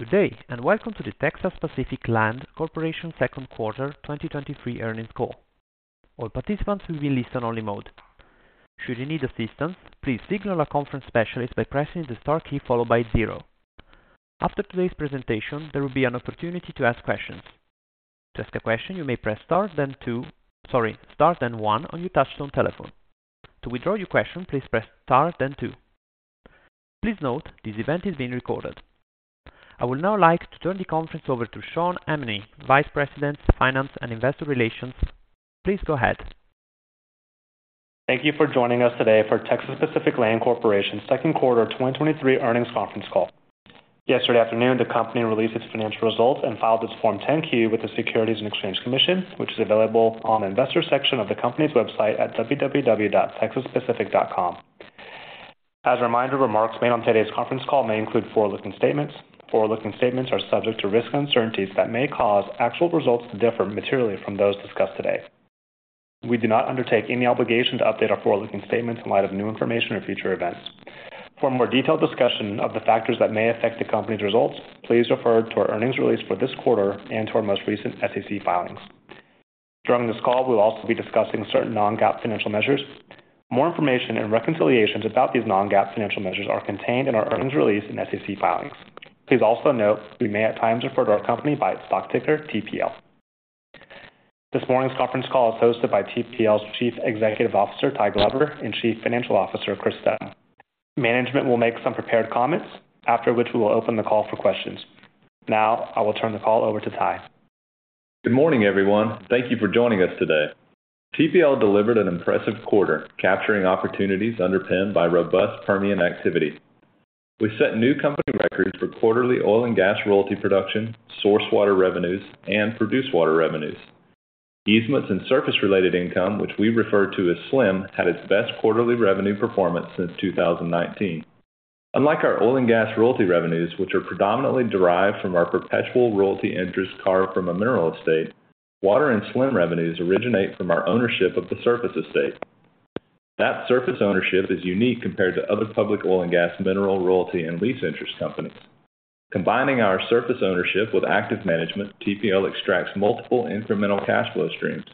Good day, welcome to the Texas Pacific Land Corporation Second Quarter 2023 Earnings Call. All participants will be in listen-only mode. Should you need assistance, please signal a conference specialist by pressing the star key followed by zero. After today's presentation, there will be an opportunity to ask questions. To ask a question, you may press star, then two. Sorry, star then one on your touch-tone telephone. To withdraw your question, please press star then two. Please note, this event is being recorded. I would now like to turn the conference over to Shawn Amini, Vice President, Finance and Investor Relations. Please go ahead. Thank you for joining us today for Texas Pacific Land Corporation Second Quarter 2023 Earnings Conference Call. Yesterday afternoon, the company released its financial results and filed its Form 10-Q with the Securities and Exchange Commission, which is available on the Investor section of the company's website at www.texaspacific.com. As a reminder, remarks made on today's conference call may include forward-looking statements. Forward-looking statements are subject to risks and uncertainties that may cause actual results to differ materially from those discussed today. We do not undertake any obligation to update our forward-looking statements in light of new information or future events. For a more detailed discussion of the factors that may affect the company's results, please refer to our earnings release for this quarter and to our most recent SEC filings. During this call, we'll also be discussing certain non-GAAP financial measures. More information and reconciliations about these non-GAAP financial measures are contained in our earnings release and SEC filings. Please also note, we may at times refer to our company by its stock ticker, TPL. This morning's conference call is hosted by TPL's Chief Executive Officer, Ty Glover, and Chief Financial Officer, Chris Steddum. Management will make some prepared comments, after which we will open the call for questions. Now, I will turn the call over to Ty. Good morning, everyone. Thank you for joining us today. TPL delivered an impressive quarter, capturing opportunities underpinned by robust Permian activity. We set new company records for quarterly oil and gas royalty production, source water revenues, and produced water revenues. Easements and Surface-related income, which we refer to as SLIM, had its best quarterly revenue performance since 2019. Unlike our oil and gas royalty revenues, which are predominantly derived from our perpetual royalty interest carved from a mineral estate, water and SLIM revenues originate from our ownership of the Surface estate. That Surface ownership is unique compared to other public oil and gas, mineral, royalty, and lease interest companies. Combining our Surface ownership with active management, TPL extracts multiple incremental cash flow streams.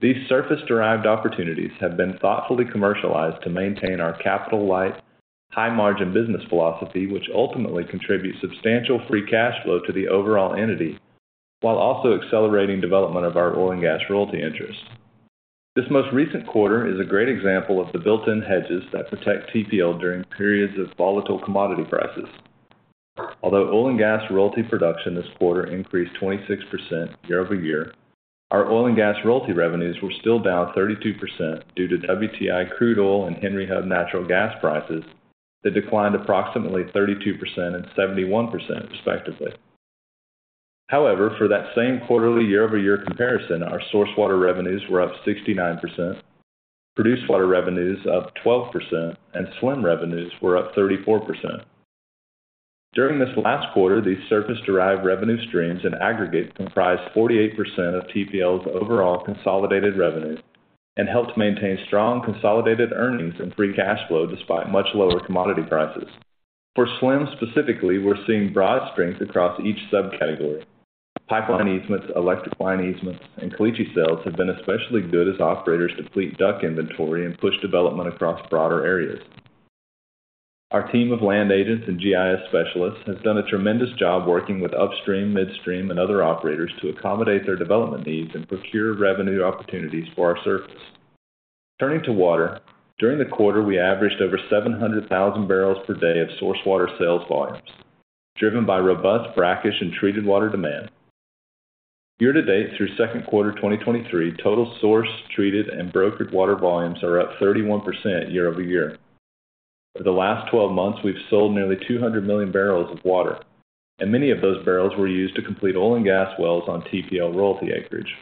These Surface-derived opportunities have been thoughtfully commercialized to maintain our capital-light, high-margin business philosophy, which ultimately contributes substantial free cash flow to the overall entity, while also accelerating development of our oil and gas royalty interest. This most recent quarter is a great example of the built-in hedges that protect TPL during periods of volatile commodity prices. Although oil and gas royalty production this quarter increased 26% year-over-year, our oil and gas royalty revenues were still down 32% due to WTI crude oil and Henry Hub natural gas prices that declined approximately 32% and 71% respectively. However, for that same quarterly year-over-year comparison, our source water revenues were up 69%, produced water revenues up 12%, and SLIM revenues were up 34%. During this last quarter, these surface-derived revenue streams in aggregate comprised 48% of TPL's overall consolidated revenues and helped maintain strong consolidated earnings and free cash flow despite much lower commodity prices. For SLIM specifically, we're seeing broad strength across each subcategory. Pipeline easements, electric line easements, and caliche sales have been especially good as operators deplete DUC inventory and push development across broader areas. Our team of land agents and GIS specialists has done a tremendous job working with upstream, midstream, and other operators to accommodate their development needs and procure revenue opportunities for our surface. Turning to water, during the quarter, we averaged over 700,000 barrels per day of source water sales volumes, driven by robust brackish and treated water demand. Year to date, through 2Q 2023, total source, treated, and brokered water volumes are up 31% year-over-year. For the last 12 months, we've sold nearly 200 million barrels of water. Many of those barrels were used to complete oil and gas wells on TPL Royalty Acreage.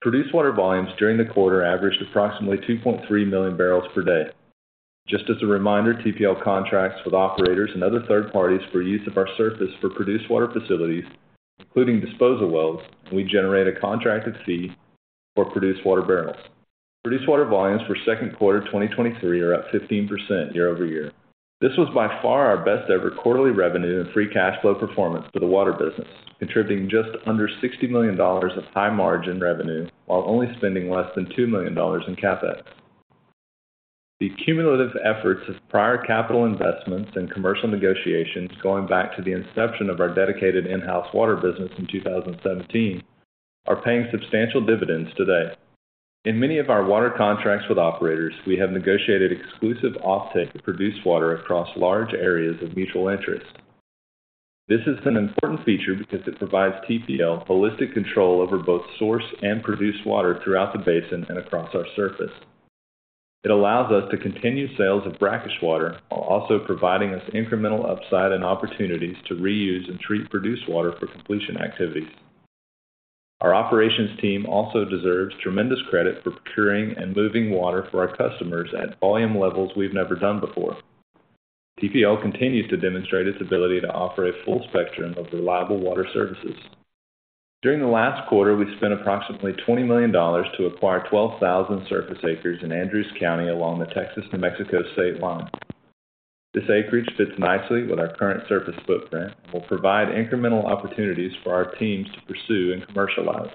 Produced water volumes during the quarter averaged approximately 2.3 million barrels per day. Just as a reminder, TPL contracts with operators and other third parties for use of our surface for produced water facilities, including disposal wells. We generate a contracted fee for produced water barrels. Produced water volumes for second quarter 2023 are up 15% year-over-year. This was by far our best-ever quarterly revenue and free cash flow performance for the water business, contributing just under $60 million of high-margin revenue while only spending less than $2 million in CapEx. The cumulative efforts of prior capital investments and commercial negotiations, going back to the inception of our dedicated in-house water business in 2017, are paying substantial dividends today. In many of our water contracts with operators, we have negotiated exclusive offtake of produced water across large areas of mutual interest. This is an important feature because it provides TPL holistic control over both source and produced water throughout the basin and across our Surface. It allows us to continue sales of brackish water while also providing us incremental upside and opportunities to reuse and treat produced water for completion activities. Our operations team also deserves tremendous credit for procuring and moving water for our customers at volume levels we've never done before. TPL continues to demonstrate its ability to offer a full spectrum of reliable water services. During the last quarter, we spent approximately $20 million to acquire 12,000 Surface acres in Andrews County along the Texas-New Mexico state line. This acreage fits nicely with our current Surface footprint and will provide incremental opportunities for our teams to pursue and commercialize.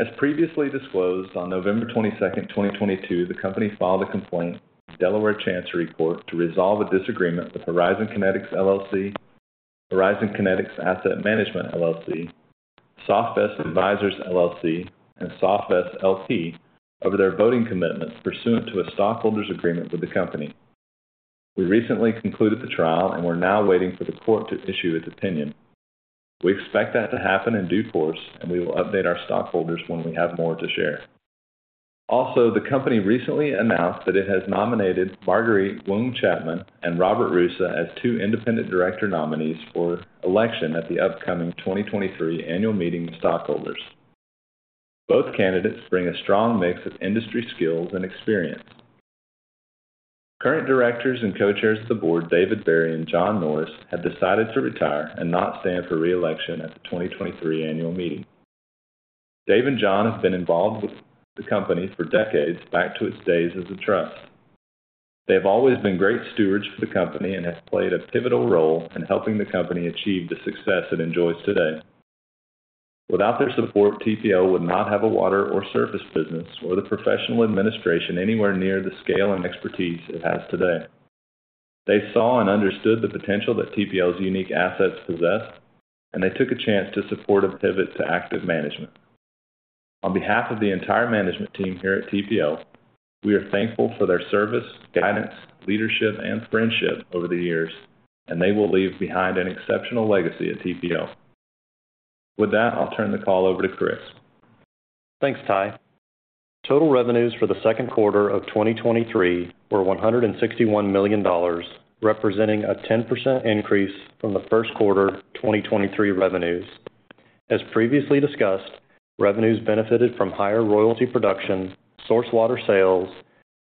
As previously disclosed, on November 22, 2022, the company filed a complaint in the Delaware Chancery Court to resolve a disagreement with Horizon Kinetics LLC, Horizon Kinetics Asset Management LLC, SoftVest Advisors, LLC, and SoftVest, LP, over their voting commitments pursuant to a stockholders agreement with the company. We recently concluded the trial, we're now waiting for the court to issue its opinion. We expect that to happen in due course, we will update our stockholders when we have more to share. The company recently announced that it has nominated Marguerite Woung-Chapman and Robert Roosa as two independent director nominees for election at the upcoming 2023 annual meeting of stockholders. Both candidates bring a strong mix of industry skills and experience. Current directors and co-chairs of the board, David Barry and John Norris, have decided to retire and not stand for re-election at the 2023 annual meeting. Dave and John have been involved with the company for decades, back to its days as a trust. They have always been great stewards for the company and have played a pivotal role in helping the company achieve the success it enjoys today. Without their support, TPL would not have a water or Surface business or the professional administration anywhere near the scale and expertise it has today. They saw and understood the potential that TPL's unique assets possessed, and they took a chance to support a pivot to active management. On behalf of the entire management team here at TPL, we are thankful for their service, guidance, leadership, and friendship over the years, and they will leave behind an exceptional legacy at TPL. With that, I'll turn the call over to Chris. Thanks, Ty. Total revenues for the second quarter of 2023 were $161 million, representing a 10% increase from the first quarter 2023 revenues. As previously discussed, revenues benefited from higher royalty production, source water sales,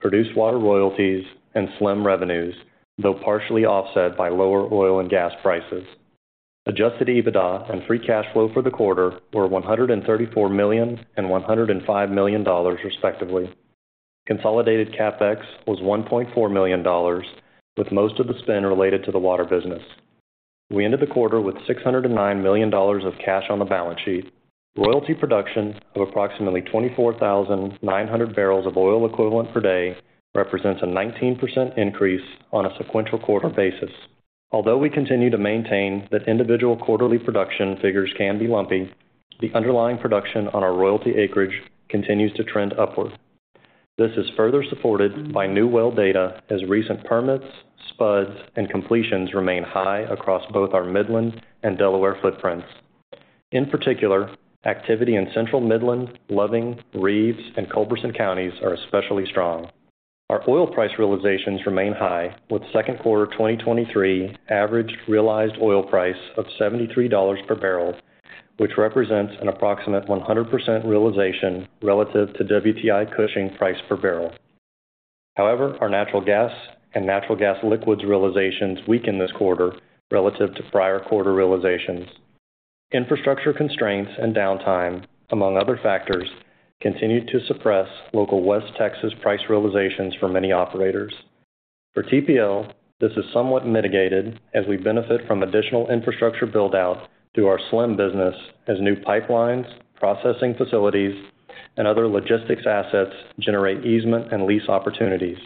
produced water royalties, and SLIM revenues, though partially offset by lower oil and gas prices. Adjusted EBITDA and free cash flow for the quarter were $134 million and $105 million, respectively. Consolidated CapEx was $1.4 million, with most of the spend related to the water business. We ended the quarter with $609 million of cash on the balance sheet. Royalty production of approximately 24,900 barrels of oil equivalent per day represents a 19% increase on a sequential quarter basis. Although we continue to maintain that individual quarterly production figures can be lumpy, the underlying production on our Royalty Acreage continues to trend upward. This is further supported by new well data, as recent permits, spuds, and completions remain high across both our Midland and Delaware footprints. In particular, activity in Central Midland, Loving, Reeves, and Culberson counties are especially strong. Our oil price realizations remain high, with second quarter 2023 averaged realized oil price of $73 per barrel, which represents an approximate 100% realization relative to WTI Cushing price per barrel. However, our natural gas and natural gas liquids realizations weakened this quarter relative to prior quarter realizations. Infrastructure constraints and downtime, among other factors, continued to suppress local West Texas price realizations for many operators. For TPL, this is somewhat mitigated as we benefit from additional infrastructure build-out through our SLIM business, as new pipelines, processing facilities, and other logistics assets generate easement and lease opportunities.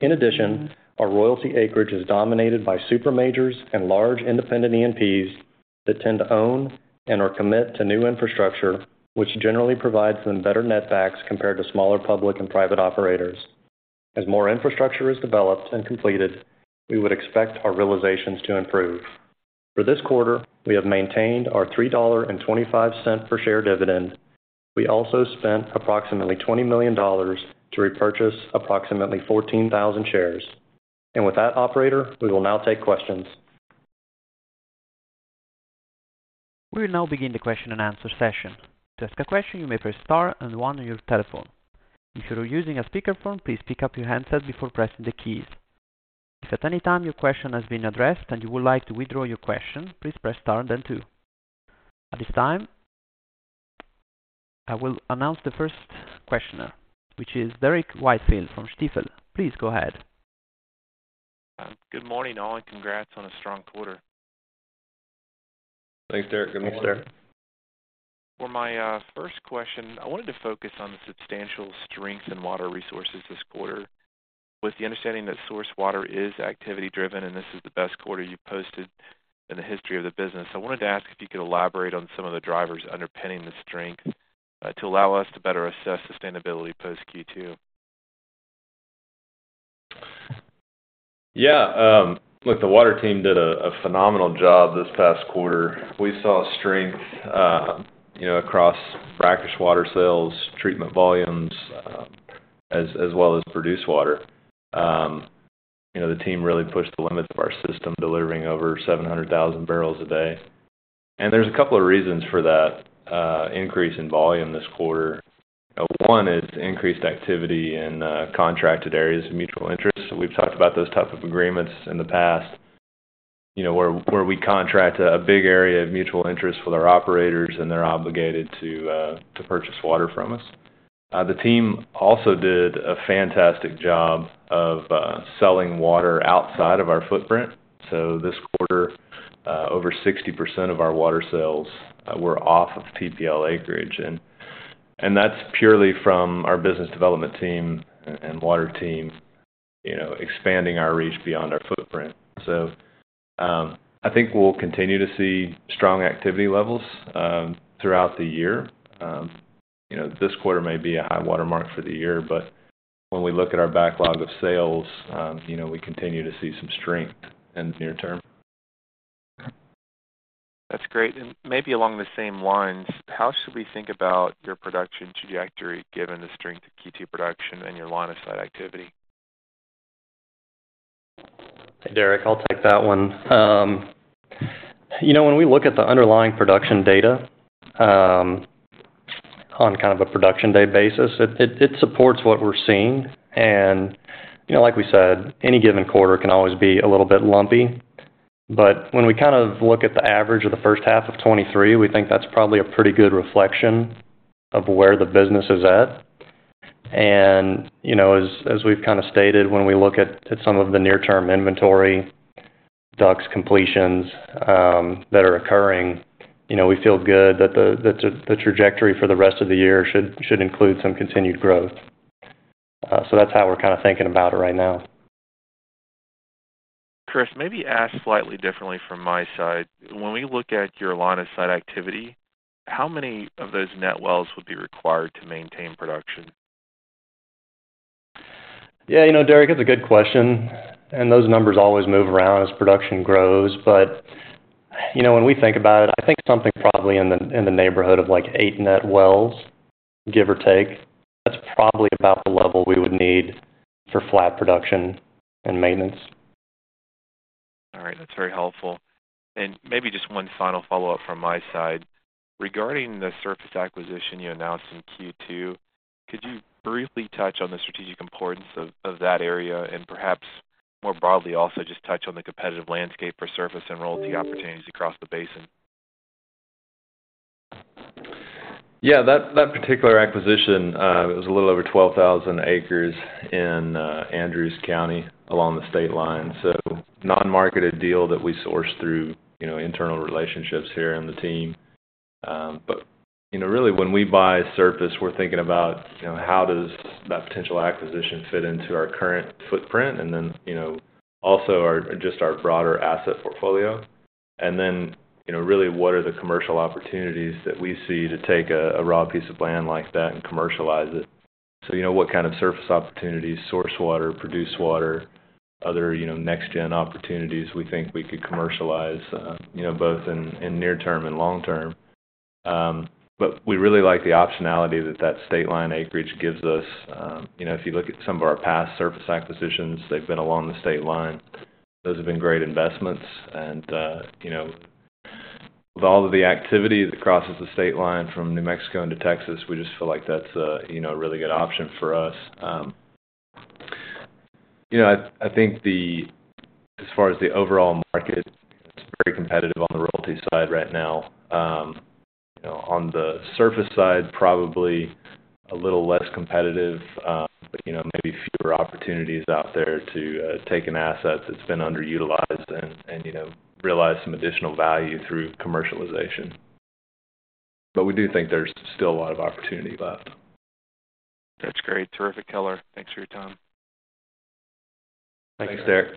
In addition, our Royalty Acreage is dominated by super majors and large independent E&Ps that tend to own and/or commit to new infrastructure, which generally provides them better net backs compared to smaller, public, and private operators. As more infrastructure is developed and completed, we would expect our realizations to improve. For this quarter, we have maintained our $3.25 per share dividend. We also spent approximately $20 million to repurchase approximately 14,000 shares. With that, operator, we will now take questions. We will now begin the question-and-answer session. To ask a question, you may press star and one on your telephone. If you are using a speakerphone, please pick up your handset before pressing the keys. If at any time your question has been addressed and you would like to withdraw your question, please press star, then two. At this time, I will announce the first questioner, which is Derrick Whitfield from Stifel. Please go ahead. Good morning, all, and congrats on a strong quarter. Thanks, Derrick. Good morning, sir. For my first question, I wanted to focus on the substantial strength in water resources this quarter. With the understanding that source water is activity-driven, and this is the best quarter you've posted in the history of the business, I wanted to ask if you could elaborate on some of the drivers underpinning the strength, to allow us to better assess sustainability post Q2. Yeah, look, the water team did a, a phenomenal job this past quarter. We saw strength, you know, across brackish water sales, treatment volumes, as, as well as produced water. You know, the team really pushed the limits of our system, delivering over 700,000 barrels a day. There's a couple of reasons for that increase in volume this quarter. One is increased activity in contracted areas of mutual interest. We've talked about those type of agreements in the past. You know, where, where we contract a big area of mutual interest with our operators, and they're obligated to purchase water from us. The team also did a fantastic job of selling water outside of our footprint. This quarter, over 60% of our water sales were off of TPL acreage, and that's purely from our business development team and water team, you know, expanding our reach beyond our footprint. I think we'll continue to see strong activity levels throughout the year. You know, this quarter may be a high watermark for the year, but when we look at our backlog of sales, you know, we continue to see some strength in the near term. That's great. Maybe along the same lines, how should we think about your production trajectory, given the strength of Q2 production and your line of sight activity? Derrick, I'll take that one. You know, when we look at the underlying production data, on kind of a production day basis, it, it, it supports what we're seeing. You know, like we said, any given quarter can always be a little bit lumpy, but when we kind of look at the average of the first half of 2023, we think that's probably a pretty good reflection of where the business is at. You know, as, as we've kind of stated, when we look at, at some of the near term inventory, DUCs completions, that are occurring, you know, we feel good that the, that the trajectory for the rest of the year should, should include some continued growth. That's how we're kind of thinking about it right now. Chris, maybe asked slightly differently from my side. When we look at your line of sight activity, how many of those net wells would be required to maintain production? Yeah, you know, Derrick, it's a good question, and those numbers always move around as production grows. You know, when we think about it, I think something probably in the, in the neighborhood of like eight net wells, give or take. That's probably about the level we would need for flat production and maintenance. All right. That's very helpful. Maybe just one final follow-up from my side. Regarding the Surface acquisition you announced in Q2, could you briefly touch on the strategic importance of that area, and perhaps more broadly, also just touch on the competitive landscape for Surface and Royalty opportunities across the basin? Yeah, that, that particular acquisition was a little over 12,000 acres in Andrews County along the state line. Non-marketed deal that we sourced through, you know, internal relationships here on the team. You know, really, when we buy Surface, we're thinking about, you know, how does that potential acquisition fit into our current footprint? Then, you know, also just our broader asset portfolio. Then, you know, really, what are the commercial opportunities that we see to take a, a raw piece of land like that and commercialize it? You know, what kind of Surface opportunities, source water, produce water, other, you know, next-gen opportunities we think we could commercialize, you know, both in, in near term and long term. We really like the optionality that that state line acreage gives us. You know, if you look at some of our past Surface acquisitions, they've been along the state line. Those have been great investments. You know, with all of the activity that crosses the state line from New Mexico into Texas, we just feel like that's a, you know, really good option for us. You know, as far as the overall market, it's very competitive on the Royalty side right now. You know, on the Surface side, probably a little less competitive, you know, maybe fewer opportunities out there to take an asset that's been underutilized and, and, you know, realize some additional value through commercialization. We do think there's still a lot of opportunity left. That's great. Terrific, Tyler. Thanks for your time. Thank you, sir.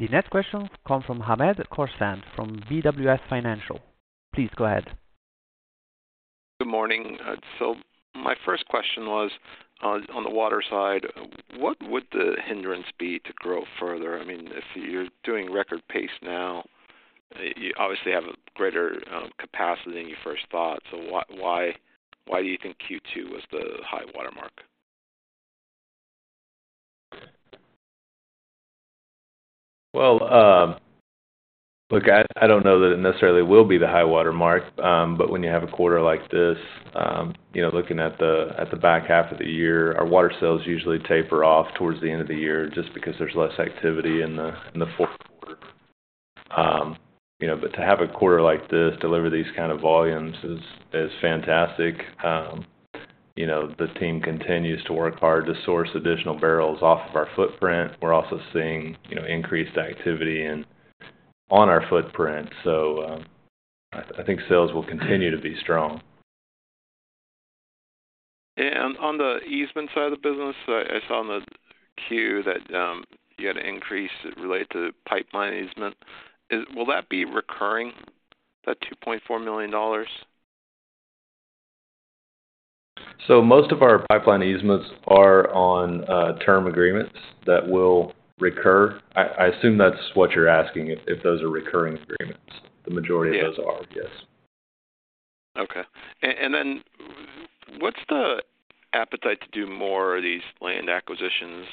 The next question comes from Hamed Khorsand from BWS Financial. Please go ahead. Good morning. My first question was on, on the water side, what would the hindrance be to grow further? I mean, if you're doing record pace now, you obviously have a greater capacity than you first thought. Why, why, why do you think Q2 was the high watermark? Well, look, I, I don't know that it necessarily will be the high watermark, but when you have a quarter like this, you know, looking at the, at the back half of the year, our water sales usually taper off towards the end of the year just because there's less activity in the, in the fourth quarter. You know, to have a quarter like this, deliver these kind of volumes is, is fantastic. You know, the team continues to work hard to source additional barrels off of our footprint. We're also seeing, you know, increased activity on our footprint. I, I think sales will continue to be strong. On the easement side of the business, I saw on the queue that you had an increase related to pipeline easement. Will that be recurring, that $2.4 million? Most of our pipeline easements are on, term agreements that will recur. I, I assume that's what you're asking, if, if those are recurring agreements. Yeah. The majority of those are, yes. Okay. Then what's the appetite to do more of these land acquisitions,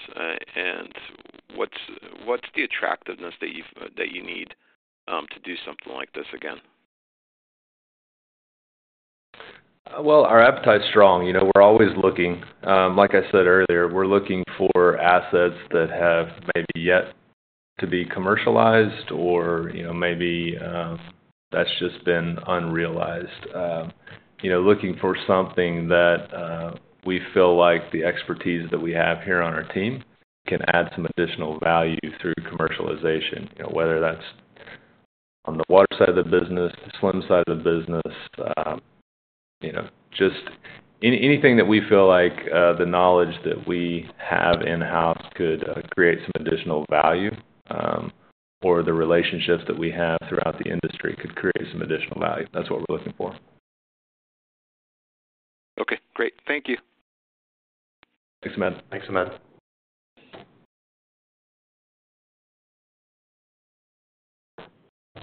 and what's, what's the attractiveness that you, that you need, to do something like this again? Well, our appetite is strong. You know, we're always looking. Like I said earlier, we're looking for assets that have maybe yet to be commercialized or, you know, maybe, that's just been unrealized. You know, looking for something that, we feel like the expertise that we have here on our team can add some additional value through commercialization, you know, whether that's on the water side of the business, the SLIM side of the business, you know, just anything that we feel like, the knowledge that we have in-house could, create some additional value, or the relationships that we have throughout the industry could create some additional value. That's what we're looking for. Okay, great. Thank you. Thanks, Hamed. Thanks, Hamed.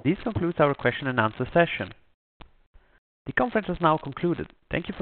This concludes our question-and-answer session. The conference is now concluded. Thank you for your-